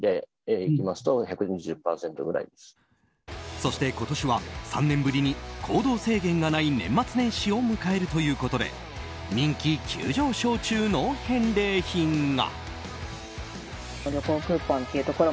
そして今年は３年ぶりに行動制限がない年末年始を迎えるということで人気急上昇中の返礼品が。